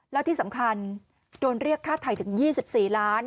แล้วที่สำคัญโดนเรียกค่าไทยถึง๒๔ล้าน